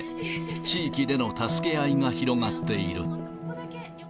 地域での助け合いが広がっている。